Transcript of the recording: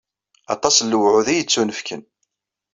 Aṭas n lewɛud i yettunefken.